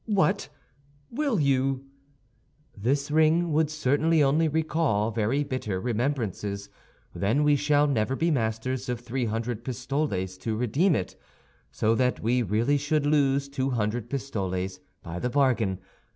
"What! will you—" "This ring would certainly only recall very bitter remembrances; then we shall never be masters of three hundred pistoles to redeem it, so that we really should lose two hundred pistoles by the bargain.